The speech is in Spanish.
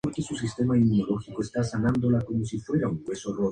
Amplió estudios en Francia y Alemania.